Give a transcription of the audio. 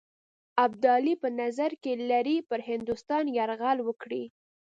ابدالي په نظر کې لري پر هندوستان یرغل وکړي.